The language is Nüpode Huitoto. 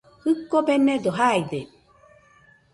Jɨko benedo jaide